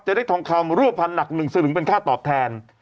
ได้ทองคำรั่วพันธหนัก๑สลึงเป็นค่าตอบแทน